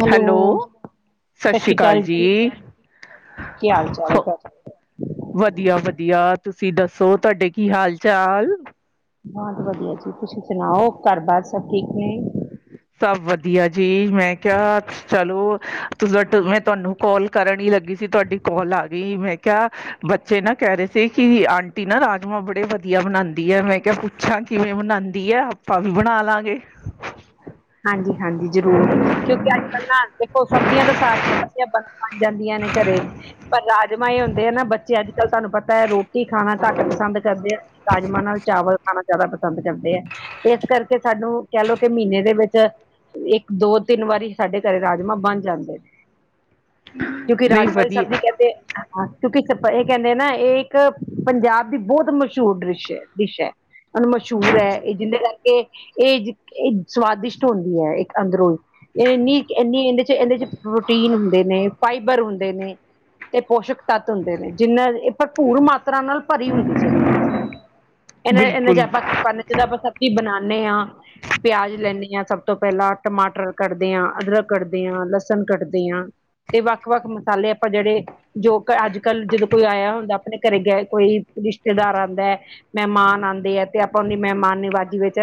Hello, ਸਸ਼੍ਰੀ ਅਕਾਲ ਜੀ! ਕੀ ਹਾਲ ਚਾਲ ਹੋ ਤੁਹਾਡਾ? ਵਧੀਆ, ਵਧੀਆ! ਤੁਸੀਂ ਦੱਸੋ, ਤੁਹਾਡੇ ਕੀ ਹਾਲ-ਚਾਲ? ਹਾਂਜੀ, ਵਧੀਆ ਜੀ! ਤੁਸੀਂ ਸੁਣਾਓ, ਘਰ-ਬਾਰ ਸਭ ਠੀਕ ਨੇ? ਸਭ ਵਧੀਆ ਜੀ! ਮੈਂ ਕਿਆ, ਚਲੋ, ਤੁਜਾ ਵਟ ਮੈਂ ਤੁਹਾਨੂੰ ਕੋਲ ਕਰਨ ਈ ਲੱਗੀ ਸੀ, ਤੁਹਾਡੀ ਕੋਲ ਆ ਗਈ, ਮੈਂ ਕਿਆ, ਬੱਚੇ ਨਾ ਕਹਿ ਰਏ ਸੀ ਕਿ ਆਂਟੀ ਆਂਟੀ ਨਾ ਰਾਜਮਾਂ ਬੜੇ ਵਧੀਆ ਬਣਾਦੀ ਐ, ਮੈਂ ਕਿਹਾ, ਪੁੱਛਾਂ ਕਿਵੇਂ ਬਣਾਦੀ ਐ, ਆਪਾਂ ਵੀ ਬਣਾ ਲਾਂਗੇ। [inaudible] ਹਾਂਜੀ-ਹਾਂਜੀ, ਜ਼ਰੂਰ! ਕਿਉਂਕਿ ਅੱਜ-ਕੱਲ੍ਹ ਨਾ, ਦੇਖੋ, ਸਬਜ਼ੀਆਂ ਤਾਂ ਸਾਰੀਆਂ ਵਧੀਆ ਬਣ ਜਾਂਦੀਆਂ ਨੇ ਘਰੇ, ਪਰ ਰਾਜਮਾ ਈ ਹੁੰਦੇ ਆ ਨਾ, ਬੱਚੇ ਅੱਜ-ਕੱਲ੍ਹ ਤੁਹਾਨੂੰ ਪਤਾ ਐ, ਰੋ ਰੋਟੀ ਖਾਣਾ ਘੱਟ ਪਸੰਦ ਕਰਦੇ ਆ, ਰਾਜਮਾਂ ਨਾਲ ਚਾਵਲ ਖਾਣਾ ਜਾਦਾ ਪਸੰਦ ਕਰਦੇ ਐ, ਤੇ ਇਸ ਕਰਕੇ ਸਾਨੂੰ ਕਹਿ ਲਓ ਕਿ ਮਹੀਨੇ ਦੇ ਵਿੱਚ ਇੱਕ, ਦੋ, ਤਿੰਨ ਵਾਰੀ ਸਾਡੇ ਘਰੇ ਰਾਜਮਾਂ ਜਾਂਦੇ ਐ। ਕਿਉਂਕਿ ਨਹੀਂ ਰਾਜਮਾਂ ਦੀ ਸਬਜ਼ੀ ਵਧੀਆ ਕਹਿੰਦੇ ਐ ਹਾਂ ਕਿਉਂਕਿ ਸਭ੍ਹੇ ਕਹਿੰਦੇ ਨਾ ਏ ਇੱਕ ਪੰਜਾਬ ਦੀ ਬਹੁਤ ਮਸ਼ਹੂਰ ਡਿਰਸ਼ ਹੈ, ਡਿਸ਼ ਹੈ। ਹੁਣ ਮਸ਼ਹੂਰ ਐ ਇਹ, ਜਿਹਦੇ ਕਰਕੇ ਇਹ ਸਵਾਦਿਸ਼ਟ ਹੁੰਦੀ ਐ, ਇੱਕ ਅੰਦਰੋਂ ਏ ਇੰਨੀ ਇਹਦੇ 'ਚ ਇਹਦੇ 'ਚ ਪ੍ਰੋਟੀਨ ਹੁੰਦੇ ਨੇ, ਫਾਈਬਰ ਹੁੰਦੇ ਨੇ। ਤੇ ਪੋਸ਼ਕ ਤੱਤ ਹੁੰਦੇ ਨੇ, ਜਿੰਨਾਂ ਇਹ ਭਰਪੂਰ ਮਾਤਰਾ ਨਾਲ ਭਰੀ ਹੁੰਦੀ ਜੇ ਉਨਾਂ ਨਾਲ। ਇਹਨਾਂ ਇਹਨਾਂ ਬਿਲਕੁਲ ਆਪਾਂ ਕੀ ਪਾਣੇ, ਜਦੋਂ ਆਪਾਂ ਸਬਜੀ ਬਣਾਦੇ ਆਂ, ਪਿਆਜ ਲੈਣੇ ਆਂ ਸਭ ਤੋਂ ਪਹਿਲਾਂ ਟਮਾਟਰ ਕੱਢਦੇ ਆਂ, ਅਦਰਕ ਕੱਢਦੇ ਆਂ, ਲਸਣ ਕੱਟਦੇ ਆਂ। ਤੇ ਵੱਖ-ਵੱਖ ਮਸਾਲੇ ਆਪਾਂ ਜਿਹੜੇ ਜੋ ਕਰ, ਅੱਜ-ਕੱਲ੍ਹ ਜਦੋਂ ਕੋਈ ਆਇਆ ਹੁੰਦਾ ਆਪਣੇ ਘਰੇ, ਗੈ ਕੋਈ ਰਿਸ਼ਤੇਦਾਰ ਆਂਦਾ ਐ। ਮਹਿਮਾਨ ਆਂਦੇ ਐ, ਤੇ ਆਪਾਂ ਔਂਦੀ ਮਹਿਮਾਨ-ਨਵਾਜੀ ਵਿੱਚ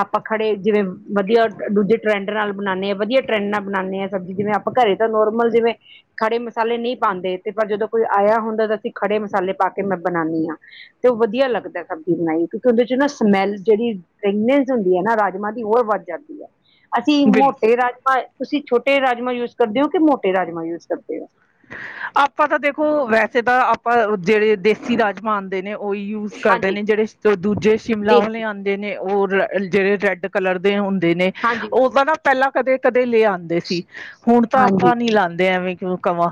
ਆਪਾਂ ਖੜੇ ਜਿਵੇਂ ਵਧੀਆਂ ਦੂਜੇ ਟਰੈਂਡ ਨਾਲ ਬਣਾਉਂਦੇ ਹਾਂ, ਵਧੀਆ ਟਰੈਂਡ ਨਾਲ ਬਣਾਉਂਦੇ ਹਾਂ ਸਬਜ਼ੀ, ਜਿਵੇਂ ਆਪਾਂ ਘਰੇ ਤਾਂ ਨੋਰਮਲ ਜਿਵੇਂ ਖੜੇ ਮਸਾਲੇ ਨਹੀਂ ਪਾਉਂਦੇ, ਤੇ ਪਰ ਜਦੋਂ ਕੋਈ ਆਇਆ ਹੁੰਦਾ, ਅਸੀਂ ਖੜੇ ਮਸਾਲੇ ਪਾ ਕੇ ਮੈਂ ਬਨਾਨੀ ਆਂ। ਤੇ ਓ ਵਧੀਆ ਲੱਗਦਾ ਸਬਜ਼ੀ ਬਣਾਈ ਕਿਉਂਕਿ ਉਹਦੇ 'ਚ ਨਾ ਸਮੈਲ ਜਿਹੜੀ ਫ੍ਰੈਗ੍ਰਾਂਸ ਹੁੰਦੀ ਐ ਨਾ ਰਾਜਮਾਂ ਦੀ, ਹੋਰ ਵੱਧ ਜਾਂਦੀ ਆ। ਅਸੀਂ ਬਿਲਕੁਲ ਮੋਟੇ ਰਾਜਮਾਂ ਤੁਸੀਂ ਛੋਟੇ ਰਾਜਮਾਂ ਯੂਜ ਕਰਦੇ ਹੋ, ਕਿ ਮੋਟੇ ਰਾਜਮਾਂ ਯੂਜ ਕਰਦੇ ਹੋ? ਆਪਾਂ ਤਾਂ ਦੇਖੋ, ਵੈਸੇ ਤਾਂ ਆਪਾਂ ਜਿਹੜੇ ਦੇਸੀ ਰਾਜਮਾਂ ਆਉਂਦੇ ਨੇ ਉਹੀ ਯੂਜ ਕਰਦੇ ਹਾਂਜੀ ਨੇ ਜਿਹੜੇ ਦੂਜੇ ਸ਼ਿਮਲਾ ਆਏ ਦੇਸੀ ਨੇ ਹੁਣ ਦੇ ਨੇ ਉਹ ਜਿਹੜੇ ਰੈਡ ਕਲਰ ਦੇ ਹੁੰਦੇ ਨੇ, ਹਾਂਜੀ ਉਹ ਤਾਂ ਨਾ ਪਹਿਲਾਂ ਕਦੇ- ਕਦੇ ਲੈ ਆਂ ਦੇ ਸੀ, ਹੁਣ ਤਾਂ ਹਾਂਜੀ ਆਪਾਂ ਨੀ ਲਾਂਦੇ ਐਵੇਂ ਕਿਉਂ ਕਵਾਂ।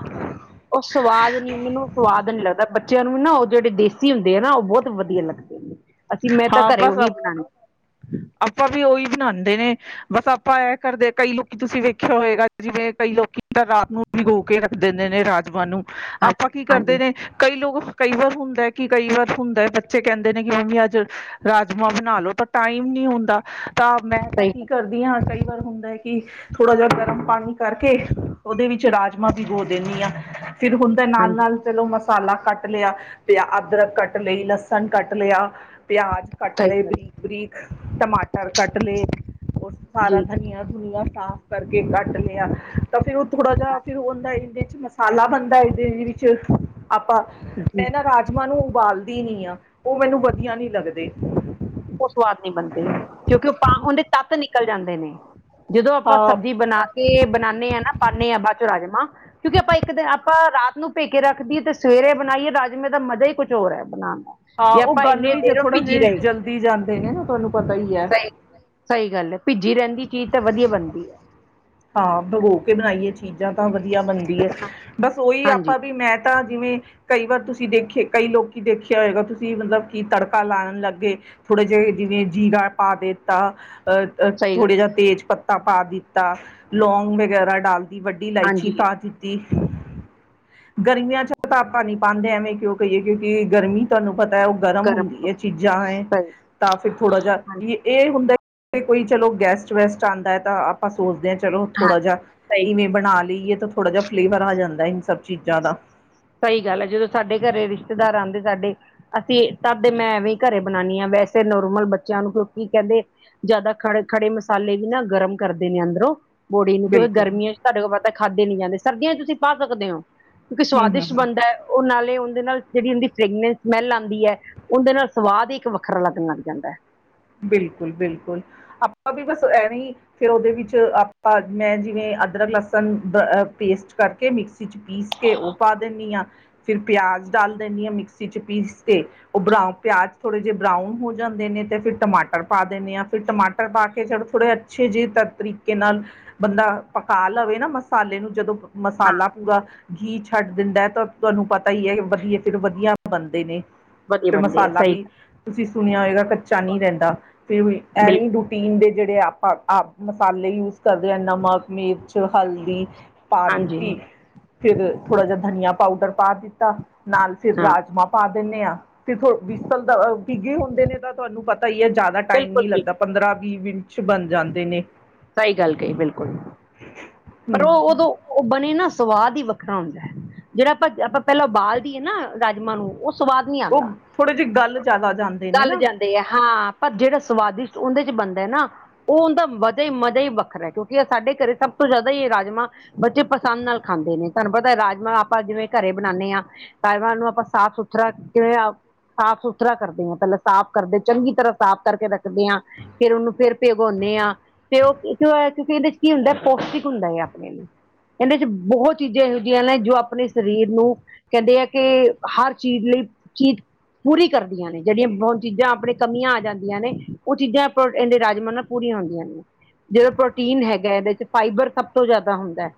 ਉਹ ਸਵਾਦ ਨੀ ਮੈਨੂੰ ਸਵਾਦ ਨੀ ਲੱਗਦਾ ਬ- ਬੱਚਿਆਂ ਨੂੰ ਨਾ ਉਹ ਜਿਹੜੇ ਦੇਸੀ ਹੁੰਦੇ ਆ ਨਾ ਉਹ ਬੋਤ ਵਧੀਆ ਲੱਗਦੇ ਅਸੀਂ ਮੈਂ ਤਾਂ ਹਾਂ ਘਰੇ ਬਸ ਉਹੀ ਬਣਾ- ਆਪਾਂ ਵੀ ਉਹੀ ਬਣਾਉਦੇ ਨੇ। ਬਸ ਆਪਾਂ ਇਹ ਕਰਦੇ ਕਈ ਲੋਕੀ ਤੁਸੀਂ ਵੇਖਿਆ ਹੋਏਗਾ ਜਿਵੇਂ ਕਈ ਲੋਕੀ ਤਾਂ ਰਾਤ ਨੂੰ ਭਿਗੋ ਕੇ ਰੱਖ ਦਿੰਦੇ ਨੇ ਰਾਜਮਾਂ ਨੂੰ, ਆਪਾਂ ਹਾਂਜੀ ਕੀ ਕਰਦੇ ਹਾਂਜੀ ਨੇ ਕਈ ਲੋਕ ਕਈ ਵਾਰ ਹੁੰਦਾ ਕੀ ਕਈ ਵਾਰ ਹੁੰਦਾ ਬੱਚੇ ਕਹਿੰਦੇ ਨੇ ਕਿ ਮੰਮੀ ਅੱਜ ਰਾਜਮਾਂਹ ਬਣਾ ਲੋ ਪਰ ਟਾਈਮ ਨਹੀਂ ਹੁੰਦਾ ਤਾਂ ਮੈਂ ਨਾ ਸਹੀ ਕੀ ਗੱਲ ਕਰਦੀ ਹਾਂ। ਕਈ ਵਾਰ ਹੁੰਦਾ ਕੀ ਥੋੜਾ ਬੋਤ ਗਰਮ ਪਾਣੀ ਕਰਕੇ, ਉਹਦੇ ਵਿੱਚ ਰਾਜਮਾਂ ਬਗੋ ਦਿੰਦੀ ਹਾਂ ਫਿਰ ਹੁਣ ਤੇ ਨਾਲ਼- ਹਾਂਜੀ ਨਾਲ਼। ਮਸਾਲਾ ਕੱਟ ਲਿਆ, ਤੇ ਅਦਰਕ ਕੱਟ ਲਈ, ਲਸਣ ਕੱਟ ਲਿਆ, ਪਿਆਜ਼। ਕੱਟ ਸਹੀ ਲਏ ਗੱਲ ਬਰੀਕ- ਬਰੀਕ ਟਮਾਟਰ ਕੱਟ ਲਏ। ਉਹ ਸਾਰਾ ਜੀ ਧਨੀਆਂ ਧੁਨੀਆ ਸਾਫ਼ ਕਰਕੇ ਕੱਟ ਲਿਆ ਤਾਂ ਫੇਰ ਥੋੜਾ ਜਾ ਫੇਰ ਉਹ ਹੁੰਦਾ ਇਹਦੇ ਚ ਮਸਾਲਾ ਬਣਦਾ, ਇਹਦੇ ਵਿੱਚ ਆਪਾਂ, ਜੀ ਮੈਂ ਨਾ ਰਾਜ ਨਾਲੇ ਉਬਾਲਦੀ ਨੀ ਆ ਉਹ ਮੈਨੂੰ ਵਧੀਆ ਨੀ ਲੱਗਦੇ। ਉਹ ਸਵਾਦ ਨਹੀਂ ਬਣਦੇ, ਕਿਉਂਕਿ ਉਹ ਪਾ ਉਹਦੇ ਤੱਤ ਨਿਕਲ ਜਾਂਦੇ ਨੇ, ਜਦੋਂ ਆਪਾਂ ਹਾਂ ਸਬਜ਼ੀ ਬਣਾ ਕੇ ਬਣਾਉਂਦੇ ਹਾਂ ਨਾ ਪਾਉਂਦੇ ਹਾਂ ਬਾਅਦ ਚੋਂ ਰਾਜਮਾਂਹ ਕਿਉਂਕਿ ਆਪਾਂ ਇੱਕ ਦਿਨ ਆਪਾਂ ਰਾਤ ਨੂੰ ਭੇਕੇ ਰੱਖਦੀਏ ਤੇ ਸਵੇਰੇ ਬਣਾਈਏ ਰਾਜਮੇ ਦਾ ਮਜ਼ਾ ਹੀ ਕੁਛ ਹੋਰ ਹੈ ਬਣਾਉਣ ਦਾ। ਹਾਂ ਜੇ ਉਹ ਆਪਾਂ ਗਲ ਇੰਨੇ ਵੀ ਜੇ ਦੇਰ ਥੋੜਾ ਭਿੱਜੀ ਜਿ ਰਹੀ ਜਲਦੀ ਜਾਂਦੇ ਨੇ ਨਾ ਤੁਹਾਨੂੰ ਪਤਾ ਹੀ ਆ। ਸਹੀ ਸਹੀ ਗੱਲ ਹੈ ਭਿੱਜੀ ਰਹਿੰਦੀ ਚੀਜ਼ ਤਾਂ ਵਧੀਆ ਬਣਦੀ ਆ। ਹਾਂ ਭਗੋ ਕੇ ਬਣਾਈਏ ਚੀਜ਼ਾਂ ਤਾਂ ਵਧੀਆ ਬਣਦੀ ਹੈ। ਬਸ ਉਹੀ ਹਾਂਜੀ ਆਪਾਂ ਵੀ ਮੈਂ ਤਾਂ ਜਿਵੇਂ ਕਈ ਵਾਰ ਤੁਸੀਂ ਦੇਖੇਆ ਕਈ ਲੋਕੀਂ ਦੇਖਿਆ ਹੋਏਗਾ। ਤੁਸੀਂ ਮਤਲਬ ਕੀ ਤੜਕਾ ਲਾਉਣ ਲੱਗੇ। ਥੋੜੇ ਜੇ ਜਿਵੇਂ ਜੀਰਾ ਪਾ ਦੇਤਾ ਸਹੀ ਗੱਲ ਥੋੜਾ ਜਿਹਾ ਹੈ ਤੇਜ ਪੱਤਾ ਪਾ ਦਿੱਤਾ, ਲੋਂਗ ਵਗ਼ੈਰਾ ਡਾਲਦੀ ਵੱ ਵੱਡੀ ਇਲਾਇਚੀ ਹਾਂਜੀ ਪਾ ਦਿੱਤੀ ਗਰਮੀਆਂ ਚ ਆਪਾ ਨੀਂ ਪਾਂਦੇ ਐਵੇਂ ਕਿਉਂ ਕਹੀਏ ਕਿਉਂਕਿ ਗਰਮੀ। ਤੁਹਾਨੂੰ ਪਤਾ ਹੈ ਉਹ ਗਰਮ ਹੁੰਦੀ ਹੈ ਚੀਜ਼ਾਂ ਹੈ, ਸਹੀ ਤਾਂ ਫਿਰ ਥੋੜਾ ਜਿਹਾ ਇਹ ਹੁੰਦਾ ਕੋਈ ਚਲੋ ਗੈਸਟ, ਵੈਸਟ ਆਉਂਦਾ ਹੈ ਤਾਂ ਆਪਾਂ ਸੋਚਦੇ ਹਾਂ ਚਲੋ। ਹਾਂ ਥੋੜਾ ਜਿਹਾ ਸਹੀ ਇਵੇਂ ਬਣਾ ਲਈਏ ਤਾਂ ਥੋੜਾ ਜਿਹਾ ਫਲੇਵਰ ਆ ਜਾਂਦਾ ਇਹਨ ਸਭ ਚੀਜ਼ਾਂ ਦਾ। ਸਹੀ ਗੱਲ ਆ ਜਦੋਂ ਸਾਡੇ ਘਰੇ ਰਿਸ਼ਤੇਦਾਰ ਆਉਂਦੇ ਸਾਡੇ ਅਸੀਂ ਤਦੇ ਮੈਂ ਐਵੇਂ ਹੀ ਘਰੇ ਬਣਾਉਣੀ ਹਾਂ ਵੈਸੇ ਨੋਰਮਲ ਬੱਚਿਆਂ ਨੂੰ ਕਿਉਂਕਿ ਕਹਿੰਦੇ ਜ਼ਿਆਦਾ ਖੜੇ- ਖੜੇ ਮਸਾਲੇ ਵੀ ਨਾ ਗਰਮ ਕਰਦੇ ਨੇ ਅੰਦਰੋਂ। ਬੋਡੀ ਨੂੰ ਕਿਉਂਕਿ ਬਿਲਕੁਲ ਗਰਮੀਆਂ ਚ ਤੁਹਾਡੇ ਕੋਲ ਪਤਾ ਖਾਧੇ ਨੀ ਜਾਂਦੇ ਸਰਦੀਆਂ ਚ ਤੁਸੀਂ ਪਾ ਸਕਦੇ ਹੋ, ਕਿਉਂਕਿ ਹੂੰ ਹੂੰ ਸਵਾਦਿਸ਼ਟ ਹੂੰ ਹੂੰਦਾ ਉਹ ਨਾਲੇ ਉਹਦੇ ਨਾਲ ਜਿਹੜੀ ਉਹਦੀ ਫ੍ਰੇਗਨੈਂਸ ਸਮੈਲ ਆਂਦੀ ਐ। ਉਹਦੇ ਨਾਲ ਸਵਾਦ ਹੀ ਇੱਕ ਵੱਖਰਾ ਲੱਗਣ ਲੱਗ ਜਾਂਦਾ ਹੈ। ਬਿਲਕੁਲ- ਬਿਲਕੁਲ ਆਪਾਂ ਵੀ ਬਸ ਐਵੇਂ ਫਿਰ ਉਹਦੇ ਵਿੱਚ ਆਪਾਂ ਮੈਂ ਜਿਵੇਂ ਅਦਰਕ, ਲਸਣ, ਦਾ ਪੇਸਟ ਕਰਕੇ ਮਿਕਸ ਮਿਕਸੀ ਚ ਪੀਸ ਕੇ ਉਹ ਪਾ ਦਿੰਦੀ ਹਾਂ। ਫਿਰ ਪਿਆਜ਼ ਡਾਲ ਦਿੰਦੀ ਹਾਂ। ਮਿਕਸੀ ਚ ਪੀਸ ਕੇ। ਉਹ ਬਰਾ ਪਿਆਜ ਥੋੜੇ ਜਿਹੇ, ਬਰਾਊਨ ਹੋ ਜਾਂਦੇ ਨੇ ਤੇ ਫਿਰ। ਟਮਾਟਰ ਪਾ ਦੀਨੇ ਆ, ਫਿਰ ਟਮਾਟਰ ਪਾ ਕੇ ਚਲੋ ਥੋੜੇ ਅੱਛੇ ਜਿਹੇ ਤ ਤਰੀਕੇ ਨਾਲ। ਬੰਦਾ ਪਕਾ ਲਵੇ ਨਾ, ਮਸਾਲੇ ਨੂੰ ਜਦੋ। ਹਾਂ ਮਸਾਲਾ ਪੂਰਾ ਘੀ ਛੱਡ ਦਿੰਦਾ ਹੈ, ਤਾਂ ਤੁਹਾਨੂੰ ਪਤਾ। ਸਹੀ ਏ, ਵਧੀਏ ਫਿਰ ਵਧੀਆ ਬਣਦੇ ਨੇ। ਵਧੀਆ ਤੇ ਬਣਦੇ ਆ ਮਸਾਲਾ ਸਹੀ ਵੀ ਤੁਸੀਂ ਸੁਣਿਆ ਹੋਏਗਾ ਕੱਚਾ ਨਹੀਂ ਰਹਿੰਦਾ ਫੇਰ ਐਵੇ ਬਿਲਕੁਲ ਰੁ ਟੀਨ ਦੇ ਜਿਹੜੇ ਆਪਾਂ ਆਪ, ਮਸਾਲੇ ਯੂਜ਼ ਕਰਦੇ ਹਾਂ ਨਮਕ, ਮਿਰਚ, ਹਲਦੀ। ਪਾ ਹਾਂਜੀ ਦਿੱਤੀ ਫਿਰ ਥੋੜਾ ਬੋਤ, ਧਨੀਆ ਪਾਊਡਰ ਪਾ ਦਿੱਤਾ ਨਾਲ ਫਿਰ ਹਾਂ ਰਾਜਮਾਂ। ਪਾ ਦੀਨੇ ਆ ਫੇਰ ਥੋ ਵਿਸਲ ਦਾ ਏ ਭਿਗੇ ਹੁੰਦੇ ਨੇ, ਤਾਂ ਤੁਹਾਨੂੰ ਪਤਾ ਹੀ ਹੈ ਜ਼ਿਆਦਾ ਟਾਈਮ ਬਿਲਕੁਲ ਨੀ ਲੱਗਦਾ। ਬਿਲਕੁਲ ਪੰਦਰਾਂ, ਵੀਹ ਮਿੰਟ 'ਚ ਬਣ ਜਾਂਦੇ ਨੇ। ਸਹੀ ਗੱਲ ਕਹੀ ਬਿਲਕੁੱਲ। ਪਰ ਹੂੰ ਉਹ ਉਦੋ, ਉਹ ਬਣੇ ਨਾ ਸਵਾਦ ਹੀ ਵੱਖਰਾ ਹੁੰਦਾ ਐ। ਜਿਹੜਾ ਆਪਾ -ਆਪਾ ਪਹਿਲਾ ਉਬਾਲ ਦੀਏ ਨਾ ਰਾਜਮਾਂ ਨੂੰ, ਉਹ ਸਵਾਦ ਨੀ ਉਹ ਆਂਦਾ। ਥੋੜੇ ਜਿਹੇ, ਗਲ ਜ਼ਿਆਦਾ ਜਾਂਦੇ ਨੇ ਨਾ। ਤੇ ਹਾਂ, ਪਰ ਜਿਹੜਾ ਸਵਾਦਿਸ਼ਟ ਉਹਦੇ ਚ' ਬਣਦਾ ਏ ਨਾ। ਉਹ ਉਦਾਂ ਮਜ਼ਾ-ਮਜਾ਼ ਹੀ ਵੱਖਰਾ ਕਿਉਂਕਿ ਸਾਡੇ ਘਰੇ ਸਭ- ਸਭ ਤੋ ਜ਼ਿਆਦਾ ਹੀ ਇਹ ਰਾਜਮਾ ਬੱਚੇ ਪਸੰਦ ਨਾਲ ਖਾਂਦੇ ਨੇ, ਤੁਹਾਨੂੰ ਪਤਾ ਰਾਜਮਾਂ ਆਪਾ ਜਿਵੇਂ ਘਰੇ ਬਣਾਣੇ ਆ। ਪਹਿਲਾ ਐਨੂੰ ਆਪਾ ਸਾਫ਼ -ਸੁਥਰਾ ਕਿਵੇ? ਸਾਫ਼ -ਸੁਥਰਾ ਕਰਦੇ ਹਾਂ, ਪਹਿਲਾ ਸਾਫ਼ ਕਰਦੇ ਚੰਗੀ ਤਰਾਂ ਸਾਫ਼ ਕਰਕੇ ਰੱਖਦੇ ਆ। ਫੇਰ ਉਹਨੂੰ ਫੇਰ ਭਿਗਾਉਂਨੇ ਆ, ਤੇ ਉਹ ਕਿਉਂਕਿ ਇਦੇ ਚ 'ਕੀ ਹੁੰਦਾ ਪੌਸ਼ਟਿਕ ਹੁੰਦਾ ਹੈ। ਆਪਣੇ ਲਈ, ਇਹਦੇ ਚ 'ਬਹੁਤ ਚੀਜ਼ਾਂ ਇਹੋ ਜਿਹੀਆਂ ਨੇ, ਜੋ ਆਪਣੇ ਸਰੀਰ ਨੂੰ, ਕਹਿੰਦੇ ਆ ਕਿ, ਹਰ ਚੀਜ਼ ਲਈ ਚੀਜ਼। ਪੂਰੀ ਕਰਦੀਆਂ ਨੇ, ਜਿਹੜੀਆ ਹੁਣ ਚੀਜ਼ਾਂ ਆਪਣੇ ਕਮੀਆਂ ਆ ਜਾਂਦੀਆਂ ਨੇ, ਉਹ ਚੀਜ਼ਾਂ ਆਪਾਂ ਇਹਦੇ ਰਾਜਮਾਂਹ ਨਾ- ਪੂਰੀਆਂ ਹੁੰਦੀਆਂ ਨੇ, ਜਿਹੜਾ ਪ੍ਰੋਟੀਨ ਹੈਗਾ ਇਹਦੇ ਚ ਫਾਈਬਰ ਸਭ ਤੋਂ ਜ਼ਿਆਦਾ ਹੁੰਦਾ।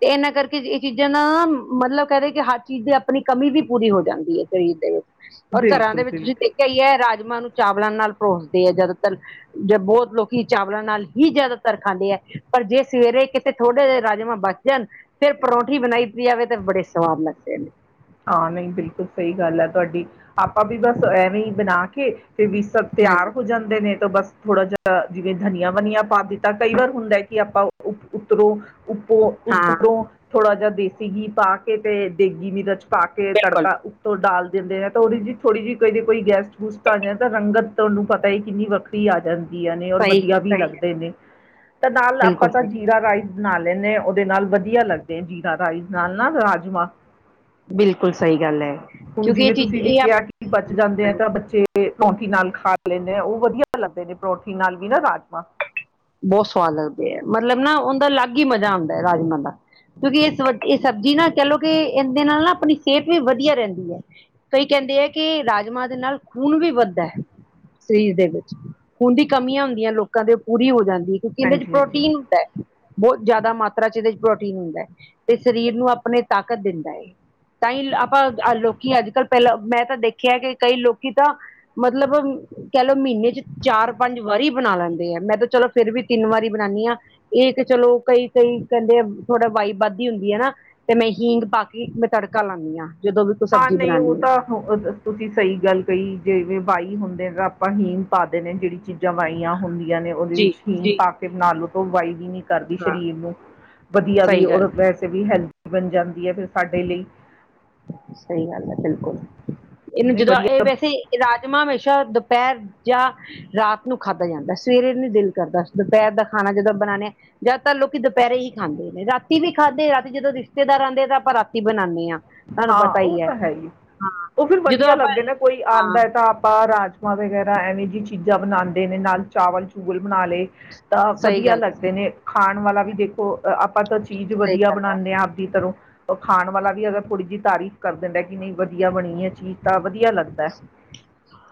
ਤੇ ਇਹਨਾਂ ਕਰਕੇ ਇਹ ਚੀਜ਼ਾਂ ਨਾ ਮਤਲਬ ਕਹਿਦੇ ਕਿ, ਹਰ ਚੀਜ਼ ਦੀ ਆਪਣੀ ਕਮੀ ਵੀ ਪੂਰੀ ਹੋ ਜਾਂਦੀ ਹੈ ਸਰੀਰ ਦੇ ਵਿੱਚ। ਔਰ ਘਰਾਂ ਦੇ ਬਿਲਕੁਲ ਵਿੱਚ ਤੁਸੀਂ ਬਿਲਕੁਲ ਦੇਖਿਆ ਈ ਐ, ਰਾਜਮਾਂਹ ਨੂੰ ਚਾਵਲਾਂ ਨਾਲ ਪਰੋਸ਼ਦੇ ਹੈ ਜ਼ਿਆਦਾਤਰ। ਬਹੋਤ ਲੋਕੀ ਚਾਵਲਾਂ ਨਾਲ ਹੀ, ਜ਼ਿਆਦਾਤਰ ਖਾਂਦੇ ਹੈ ਪਰ ਜੇ ਸਵੇਰੇ ਕਿਤੇ ਥੋੜੇ ਜਿਹੇ ਰਾਜਮਾਂਹ ਬਚ ਜਾਣ, ਫੇਰ ਪਰੌਂਠੀ ਬਣਾਈ ਪੀ, ਜਾਵੇ ਤਾਂ ਬੜੇ ਸਵਾਦ ਲੱਗਦੇ ਨੇ। ਹਾਂ ਨਹੀ ਬਿਲਕੁੱਲ ਸਹੀ ਗੱਲ ਹੈ, ਤੁਹਾਡੀ ਆਪਾਂ ਵੀ ਬਸ ਐਵੇਂ ਹੀ ਬਣਾ ਕੇ ਤੇ ਵੀ ਸਬ ਤਿਆਰ ਹਾਂਜੀ ਹੋ ਜਾਂਦੇ ਨੇ ਤਾਂ ਬਸ। ਥੋੜਾ ਜੇਹਾ ਜਿਵੇਂ, ਧਨੀਆ-ਵਨਿਆ ਪਾ ਦਿੱਤਾ ਕਈ ਵਾਰ ਹੁੰਦਾ ਹੈ, ਕਿ ਆਪਾ ਉਤਰੋਂ ਉਪੋੋ ਹਾਂ ਉੱਪਰੋ ਥੋੜਾ ਜਿਹਾ, ਦੇਸੀ ਘੀ ਪਾ ਕੇ ਤੇ ਦੇਗੀ ਮਿਰਚ। ਪਾ ਕੇ ਬਿਲਕੁਲ ਤੜਕਾ ਉੱਤੋ ਡਾਲ ਦਿੰਦੇ ਹੈ ਤੋੜੀ ਜੀ' ਚ ' ਥੌੜੀ ਜਿਹੀ ਕਦੇ ਕੋਈ ਗੈਸਟ -ਗੂਸਟ ਆ ਜਾਂਦਾ ਤਾਂ, ਰੰਗਤ ਤੁਹਾਨੂੰ ਪਤਾ ਹੀ ਕਿੰਨੀ ਵੱਖਰੀ ਆ ਜਾਂਦੀ। ਔਰ ਸਹੀ ਵਧੀਆ ਵੀ ਸਹੀ ਲੱਗਦੇ ਨੇ ਤਾਂ ਨਾਲ ਆਪਾਂ ਬਿਲਕੁਲ ਤਾਂ ਸਹੀ ਜੀਰਾ ਰਾਈਸ। ਬਣਾ ਲੈਣੇ ਉਹਦੇ ਨਾਲ ਵਧੀਆ ਲੱਗਦੇ, ਜੀਰਾ ਰਾਈਸ ਨਾਲ ਨਾ ਰਾਜਮਾਂਹ। ਬਿਲਕੁੱਲ ਸਹੀ ਗੱਲ ਏ, ਹੁਣ ਕਿਉਂਕਿ ਇਹ ਜਿਵੇਂ ਚੀਜ਼ ਤੁਸੀਂ ਵੀ ਇਹ ਆਪ। ਕਿਹਾ ਬਚ ਜਾਂਦੇ ਆ ਹਾਂਜੀ, ਤਾਂ ਬੱਚੇ ਪਰੌਂਠੀ ਨਾਲ ਖਾਂ ਲੈਂਦੇ, ਉਹ ਵਧੀਆ ਲੱਗਦੇ ਨੇ ਪਰੌਂਠੀ ਨਾਲ ਵੀ ਨਾ ਰਾਜਮਾਂਹ। ਬੋਹ ਸਵਾਦ ਲੱਗਦੇ ਆ, ਮਤਲਬ ਨਾ ਉਹਦਾ ਅਲੱਗ ਹੀ ਮਜ਼ਾ ਆਉਂਦਾ ਹੈ ਰਾਜਮਾਂਹ ਦਾ। ਕਿਉਂਕਿ ਇਹ ਸ ਇਹ ਸਬਜ਼ੀ ਨਾ ਕਹਿ ਲੋ ਕਿ, ਇਹਦੇ ਨਾਲ ਨਾ ਆਪਣੀ ਸਿਹਤ ਵੀ ਵਧੀਆ ਰਹਿੰਦੀ ਆ। ਕਈ ਕਹਿੰਦੇ ਏ ਕੀ, ਰਾਜਮਾਂਹ ਦੇ ਨਾਲ ਖੂਨ ਵੀ ਵੱਧਦਾ ਹੈ। ਸਰੀਰ ਦੇ ਵਿੱਚ ਖੂਨ ਦੀ ਕਮੀਆਂ ਹੁੰਦੀਆ, ਲੋਕਾਂ ਦੇ ਪੂਰੀ ਹੋ ਜਾਂਦੀ ਹੈ, ਕਿਉਂਕਿ ਇਹਦੇ ਚ ਹਾਂਜੀ ਹਾਂਜੀ ਪ੍ਰੋਟੀਨ ਹੁੰਦਾ ਆ। ਬੋਤ ਜ਼ਿਆਦਾ ਮਾਤਰਾ ਚ' ਇਹਦੇ ਪ੍ਰੋਟੀਨ ਹੁੰਦਾ ਹੈ, ਤੇ ਸਰੀਰ ਨੂੰ ਆਪਣੇ ਤਾਕਤ ਦਿੰਦਾ ਏ। ਤਾਂ ਹੀ ਆਪਾਂ ਲੋਕੀ ਅੱਜ ਕੱਲ ਪਹਿਲਾਂ ਮੈਂ ਤਾਂ ਦੇਖਿਆ ਕਿ, ਕਈ ਲੋਕੀ ਤਾਂ ਮਤਲਬ ਕਹਿ ਲਓ, ਮਹੀਨੇ ਚ 'ਚਾਰ- ਪੰਜ ਵਾਰੀ ਬਣਾ ਲੈਂਦੇ ਆ, ਮੈਂ ਤਾਂ ਚਲੋ। ਫੇਰ ਵੀ ਤਿੰਨ ਵਾਰੀ ਬਣਾਣੀ ਆ, ਇਹ ਇੱਕ ਚਲੋ ਕਈ- ਕਈ ਕਹਿੰਦੇ ਥੋੜਾ ਵਾਈ- ਵੱਧਦੀ ਹੁੰਦੀ ਹੈ ਨਾ। ਤੇ ਮੈਂ, ਹੀਂਗ ਪਾ ਕੇ ਈ ਮੈਂ ਤੜਕਾ ਲਾਣੀ ਆ। ਹਾਂ ਨਹੀ ਉਹ ਤਾਂ। ਹਾ ਓ ਤੁਸੀਂ ਸਹੀ ਗੱਲ ਕਹੀਂ ਜਿਵੇਂ ਵਾਈ ਹੁੰਦੇ ਤਾਂ ਆਪਾਂ ਹੀਗ ਪਾ ਦੇ ਨੇ ਜਿਹੜੀ ਚੀਜ਼ਾਂ ਵਹੀਆਂ ਹੁੰਦੀਆਂ। ਯਾਨੀ ਉਹਦੇ ਜੀ ਵਿੱਚ ਹੀਂਗ ਜੀ ਪਾ ਕੇ ਬਣਾ ਲਓ ਤਾਂ ਵਾਈ ਵੀ ਨੀ ਕਰਦੀ ਹਾਂ ਸਰੀਰ ਨੂੰ, ਵਧੀਆ ਵੀ ਸਹੀ ਗੱਲ ਵੈਸੇ ਵੀ ਹੈਲਦੀ ਬਣ ਜਾਂਦੀ ਏ ਫੇਰ ਸਾਡੇ ਲਈ ਸਹੀ ਗੱਲ ਐ ਬਿਲਕੁਲ, ਇਹਨੂੰ ਨਹੀਂ ਜਦੋਂ ਇਹ ਵਧੀਆ ਵੈਸੇ ਰਾਜਮਾਂਹ ਹਮੇਸ਼ਾ ਦੁਪਹਿਰ ਜਾਂ ਰਾਤ ਨੂੰ ਖਾਧਾ ਜਾਂਦਾ, ਸਵੇਰੇ ਨੀ ਦਿਲ ਕਰਦਾ, ਦੁਪਹਿਰ ਦਾ ਖਾਣਾ ਜਦੋਂ ਬਣਾਉਂਦੇ। ਜ਼ਿਆਦਾਤਰ ਲੋਕੀ ਦੁਪਹਿਰੇ ਹੀ ਖਾਂਦੇ ਨੇ, ਰਾਤੀ ਵੀ ਖਾਂਦੇ, ਰਾਤੀ ਜਦੋਂ ਰਿਸ਼ਤੇਦਾਰ ਆਉਂਦੇ ਆ ਤਾਂ ਆਪਾਂ ਰਾਤੀ ਬਣਾਉਂਦੇ ਆ। ਤੁਹਾਨੂੰ ਹਾਂ, ਪਤਾ ਉਹ ਹੀ ਤਾਂ ਹੈ ਈ, ਹਾਂ ਉਹ ਵੀ ਜਦੋਂ ਵਧੀਆ ਆਪਾਂ ਲੱਗਦੇ ਨੇ ਕੋਈ ਹਾਂ ਆਂਦਾ ਤਾਂ ਆਪਾਂ ਰਾਜ ਮਾਂਹ ਵਗ਼ੈਰਾ ਐਵੇਂ ਜਿਹੀ ਚੀਜ਼ਾਂ ਬਣਾਦੇ ਨੇ, ਨਾਲ ਚਾਵਲ ਚੂਵਲ ਬਣਾ ਲਏ। ਤਾਂ ਸਹੀ ਵਧੀਆ ਗੱਲ ਲੱਗਦੇ ਨੇ, ਖਾਣ ਵਾਲਾ ਵੀ ਦੇਖੋ। ਆਪਾਂ ਤਾਂ ਚੀਜ਼ ਸਹੀ ਵਧੀਆ ਗੱਲ ਹੈ ਬਣਾਉਂਦੇ ਆਂ ਆਪਦੀ ਤਰੋਂ, ਉਹ ਖਾਣ ਵਾਲਾ ਵੀ ਅਗਰ ਥੋੜੀ ਜੀ ਤਾਰੀਫ਼ ਕਰ ਦਿੰਦਾ ਕਿ ਨਹੀਂ ਵਧੀਆ ਬਣੀ ਏ ਚੀਜ਼ ਤਾਂ ਵਧੀਆ ਲੱਗਦਾ।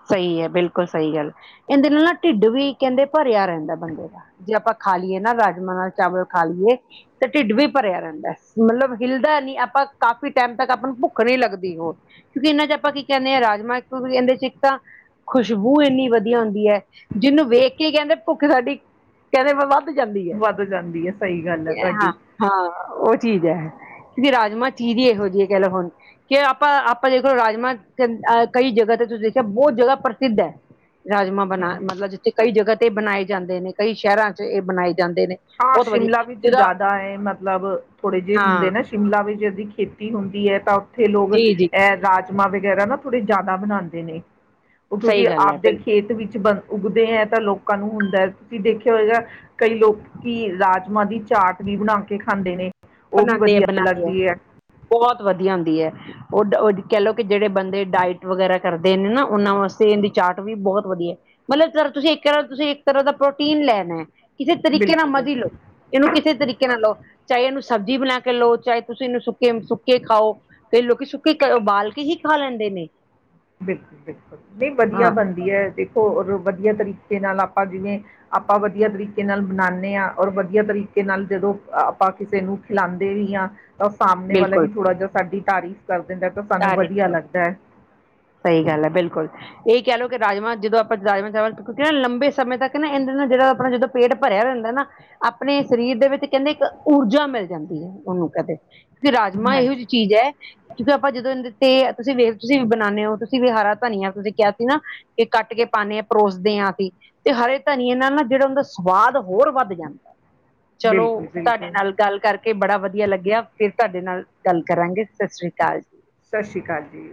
ਸਹੀ ਐ ਬਿਲਕੁਲ ਸਹੀ ਗੱਲ, ਕਹਿੰਦੇ ਨਾਲ ਨਾ ਢਿੱਡ ਵੀ ਕਹਿੰਦੇ ਭਰਿਆ ਰਹਿੰਦਾ ਬੰਦੇ ਦਾ ਜੇ ਆਪਾਂ ਖਾ ਲਈਏ ਨਾ ਰਾਜਮਾਂਹ ਨਾਲ ਚਾਵਲ ਖਾ ਲਈਏ। ਤੇ ਢਿੱਡ ਵੀ ਭਰਿਆ ਰੈਂਦਾ, ਮਤਲਬ ਹਿੱਲਦਾ ਨੀ ਆਪਾਂ ਕਾਫ਼ੀ ਟਾਈਮ ਤੱਕ ਆਪਾਂ ਨੂੰ ਭੁੱਖ ਨਹੀਂ ਲੱਗਦੀ ਹੋਰ ਕਿਉਂਕਿ ਇਹਨਾਂ 'ਚ ਆਪਾਂ ਕੀ ਕਹਿੰਦੇ ਅ, ਰਾਜਮਾਂਹ ਕਹਿੰਦੇ ਸੀ। ਇਕ ਤਾਂ, ਖੁਸ਼ਬੂ ਇੰਨੀ ਵਧੀਆ ਹੁੰਦੀ ਐ, ਜਿਹਨੂੰ ਵੇਖ ਕੇ ਕਹਿੰਦੇ ਭੁੱਖ ਲੱਗ ਗਈ। ਕਹਿੰਦੇ ਮ ਵੱਧ ਜਾਂਦੀ ਐ, ਵੱਧ ਜਾਂਦੀ ਹੈ ਸਹੀ ਗੱਲ ਹੈ ਇਹ ਤੁਹਾਡੀ ਹਾਂ ਹਾਂ ਉਹ ਚੀਜ਼ ਐ, ਕਿਉਕਿ ਰਾਜਮਾਂਹ ਚੀਜ਼ ਐਹੋ ਜਿਹੀ ਹੈ ਕਹਿ ਲਓ ਹੁਣ ਕਿ ਆਪਾਂ, ਆਪਾਂ ਦੇਖ ਲਓ ਰਾਜਮਾਂਹ ਕਈ ਜਗ੍ਹਾ ਤੇ ਤੁਸੀਂ ਇਹ ਬਹੁਤ ਜਿਆਦਾ ਪ੍ਰਸਿੱਧ ਐ, ਰਾਜਮਾਂਹ ਬਣਾ, ਮਤਲਬ ਜਿੱਥੇ ਕਈ ਜਗ੍ਹਾ ਤੇ ਬਣਾਏ ਜਾਂਦੇ ਨੇ, ਕਈ ਸ਼ਹਿਰਾਂ 'ਚ ਇਹ ਬਣਾਏ ਜਾਂਦੇ ਨੇ ਹਾਂ ਬਹੁਤ ਵਧੀਆ ਸ਼ਿਮਲਾ ਵਿੱਚ ਜਿਹਦਾ ਜਾਦਾ ਏ, ਮਤਲਬ ਥੋੜੇ ਜਿਹੇ ਹਾਂ ਹੁੰਦੇ ਨੇ ਸ਼ਿਮਲਾ ਵਿੱਚ ਇਹਦੀ ਖੇਤੀ ਹੁੰਦੀ ਐ। ਤਾਂ ਉੱਥੇ ਲੋਕ ਜੀ ਜੀ ਐ ਰਾਜਮਾਂਹ ਵਗੈਰਾ ਨਾ ਥੋੜੇ ਜਾਦਾ ਬਣਾਉਂਦੇ ਨੇ ਉਹ ਕਿਉਂਕਿ ਸਹੀ ਗੱਲ ਹੈ ਆਪਦੇ ਬਿਲਕੁਲ ਖੇਤ ਵਿਚ ਬ ਉੱਗਦੇ ਐ। ਤਾਂ ਲੋਕਾਂ ਨੂੰ ਹੁੰਦਾ, ਤੁਸੀਂ ਦੇਖਿਆ ਹੋਏਗਾ ਕਈ ਲੋਕ ਕਿ ਰਾਜਮਾਂਹ ਦੀ ਚਾਟ ਵੀ ਬਣਾ ਕੇ ਖਾਂਦੇ ਨੇ, ਉਹ ਵੀ ਬਣਾਉਂਦੇ ਆ ਵਧੀਆ ਬਣਾਉਂਦੇ ਆ ਲੱਗਦੀ ਐ। ਬਹੁਤ ਵਧੀਆ ਹੁੰਦੀ ਐ। ਉਹ, ਉਹ ਕਹਿ ਲਓ। ਕਿ ਜੇੜੇ ਬੰਦੇ ਡਾਇਟ ਵਗੈਰਾ ਕਰਦੇ ਨੇ ਨਾ, ਉਹਨਾਂ ਵਾਸਤੇ ਐਂਹਦੀ ਚਾਰਟ ਵੀ ਬਹੁਤ ਵਧੀਆ ਮਤਲਬ ਜ ਤੁਸੀਂ ਇੱਕ ਤਰ੍ਹਾਂ -ਤੁਸੀਂ ਇੱਕ ਤਰ੍ਹਾਂ ਦਾ ਪ੍ਰੋਟੀਨ ਲੈਨਾ ਕਿਸੇ ਤਰੀਕੇ ਨਾਲ ਬਿਲਕੁਲ ਮਰਜ਼ੀ ਲਓ। ਬਿਲਕੁਲ ਇਹਨੂੰ ਕਿਸੇ ਤਰੀਕੇ ਨਾਲ ਲਓ, ਚਾਹੇ ਇਹਨੂੰ ਸਬਜ਼ੀ ਬਣਾ ਕੇ ਲਓ, ਚਾਹੇ ਤੁਸੀਂ ਇਹਨੂੰ ਸੁੱਕੇ, ਸੁੱਕੇ ਖਾਓ। ਕਈ ਲੋਕੀ ਸੁੱਕੇ, ਉਬਾਲ ਕੇ ਹੀ ਖਾ ਲੈਂਦੇ ਨੇ। ਬਿਲਕੁਲ- ਬਿਲਕੁਲ, ਨਹੀਂ ਵਧੀਆ ਹਾਂ ਬਣਦੀ ਐ, ਦੇਖੋ ਅਗਰ ਵਧੀਆ ਤਰੀਕੇ ਨਾਲ ਆਪਾਂ ਜਿਵੇਂ ਆਪਾਂ ਵਧੀਆ ਤਰੀਕੇ ਨਾਲ ਬਨਾਉਦੇ ਆਂ। ਔਰ ਵਧੀਆ ਤਰੀਕੇ ਨਾਲ ਜਦੋਂ ਆਪਾਂ ਕਿਸੇ ਨੂੰ ਖਿਲਾਂਂਦੇ ਵੀ ਆਂ। ਤਾਂ ਸਾਹਮਣੇ ਵਾਲਾ ਬਿਲਕੁਲ ਵੀ ਥੋੜ੍ਹਾ ਜਿਹਾ ਸਾਡੀ ਤਾਰੀਫ਼ ਕਰ ਦਿੰਦਾ ਤਾਂ ਸਾਨੂੰ ਵਧੀਆ ਤਾਰੀਫ਼ ਲੱਗਦਾ ਐ। ਸਹੀ ਗੱਲ ਐ ਬਿਲਕੁਲ ਇਹੀ ਕਹਿ ਲਓ ਕਿ ਰਾਜਮਾਂਹ ਜਦੋਂ ਆਪਾਂ ਰਾਜਮਾਂਹ ਚਾਵਲ ਕਿਉਂਕਿ ਨਾ ਲੰਬੇ ਸਮੇਂ ਤੱਕ ਨਾ ਇਹਨਾਂ ਨਾਲ ਜਿਹੜਾ ਆਪਣਾ ਜਦੋਂ ਪੇਟ ਭਰਿਆ ਰਹਿੰਦਾ ਨਾ, ਆਪਣੇ ਸਰੀਰ ਦੇ ਵਿੱਚ ਕਹਿੰਦੇ ਇੱਕ ਊਰਜਾ ਮਿਲ ਜਾਂਦੀ ਐ। ਉਹਨੂੰ ਕਦੇ ਕਿ ਰਾਜਮਾਂਹ ਐਹੋ ਜਿਹੀ ਹਾਂਜੀ ਚੀਜ਼ ਐ। ਆਪਾਂ ਜਦੋਂ ਇਹ ਦਿਤੇ, ਤੇ ਤੁਸੀਂ ਵੇਖ ਕੇ ਤੁਸੀਂ ਵੀ ਬਣਾਉਂਦੇ ਹੋ ਤੁਸੀਂ ਵੀ ਹਾਰ ਧਨੀਆ ਤੁਸੀਂ ਕਿਹਾ ਸੀ ਨਾ ਇਹ ਕੱਟ ਕੇ ਪਾਂਦੇ ਹਾਂ, ਪਰੋਸਦੇ ਆਂ ਅਸੀਂ, ਤੇ ਹਰੇ ਧਨੀਏ ਨਾਲ ਨਾ ਜਿਹੜਾ ਉਂਹਦਾ ਸਵਾਦ ਹੋਰ ਵੱਧ ਜਾਂਦਾ, ਚਲੋ ਬਿਲਕੁਲ ਤਾਡੇ ਬਿਲਕੁਲ ਨਾਲ ਗੱਲ ਕਰਕੇ ਬੜਾ ਵਧੀਆ ਲੱਗਿਆ। ਫੇਰ ਤੁਹਾਡੇ ਨਾਲ ਗੱਲ ਕਰਾਂਗੇ। ਸਸ਼੍ਰੀ ਅਕਾਲ। ਸਸ੍ਰੀ ਅਕਾਲ ਜੀ।